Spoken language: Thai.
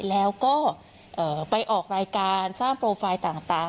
แล้วก็ไปออกรายการสร้างโปรไฟล์ต่าง